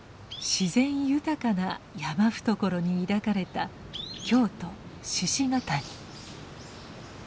自然豊かな山懐に抱かれた京都鹿ケ谷。